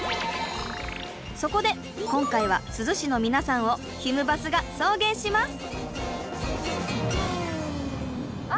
そこで今回は珠洲市のみなさんをひむバスが送迎します。